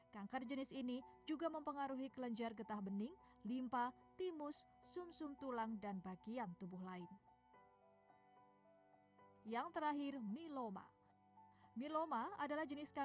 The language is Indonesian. kanker jenis ini juga mempengaruhi kelenjar getah bening limpa timus sum sum tulang dan bagian tubuh lain